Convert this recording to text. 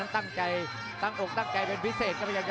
จังหวาดึงซ้ายตายังดีอยู่ครับเพชรมงคล